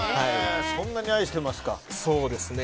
そんなに愛していますか。